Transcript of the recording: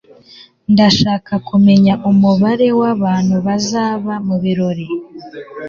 ndashaka kumenya umubare wabantu bazaba mubirori